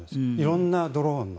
色んなドローンの。